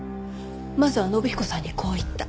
まずは信彦さんにこう言った。